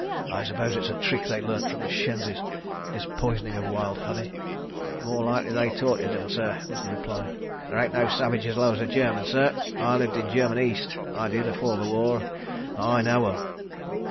"I suppose it's a trick they learnt from the shenzis, this poisoning wild honey? ..." "More like they taught it 'em, sir," was the reply. "There ain't no savage as low as a German, sir. ... I lived in German East, I did, afore the war. ... I know 'em.